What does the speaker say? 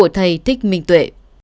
thầy thích minh tuệ